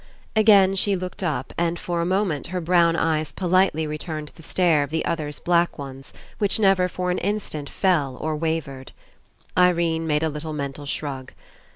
Again she looked up, and for a mo ment her brown eyes politely returned the stare of the other's black ones, which never for an instant fell or wavered. Irene made a little mental shrug.